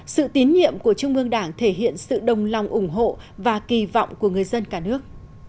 sự tín nhiệm của trung ương đảng thể hiện sự đồng lòng ủng hộ và kỳ vọng của người dân cả nước